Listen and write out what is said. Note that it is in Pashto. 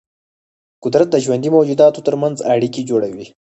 قدرت د ژوندي موجوداتو ترمنځ اړیکې جوړوي.